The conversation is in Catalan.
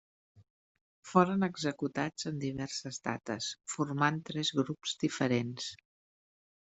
Foren executats en diverses dates, formant tres grups diferents.